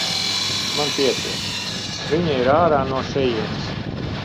Man pietiek, viņa ir ārā no šejienes.